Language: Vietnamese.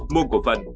mua của phần